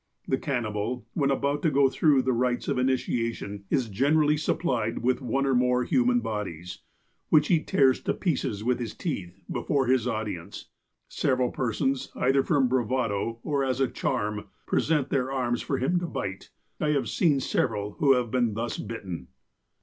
" The cannibal, when about to go through the rites of initia tion, is generally supplied with one or more human bodies, which he tears' to pieces with his teeth, before his audience. Several persons, either from bravado, or as a charm, present their arms for him to bite. I have seen several who have been thus bitten."